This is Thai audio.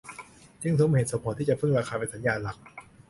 จึงสมเหตุผลที่จะพึ่งราคาเป็นสัญญาณหลัก